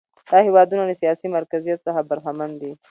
دا هېوادونه له سیاسي مرکزیت څخه برخمن دي.